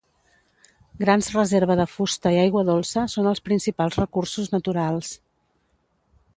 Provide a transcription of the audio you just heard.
Grans reserva de fusta i aigua dolça són els principals recursos naturals.